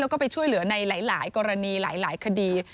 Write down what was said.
แล้วก็ไปช่วยเหลือในหลายกรณีหลายคดี